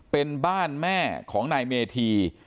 เป็นบ้านแม่ของนายเมธี